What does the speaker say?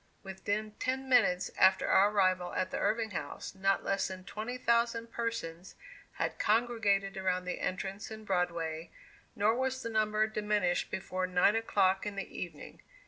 Within ten minutes after our arrival at the Irving House, not less than twenty thousand persons had congregated around the entrance in Broadway, nor was the number diminished before nine o'clock in the evening.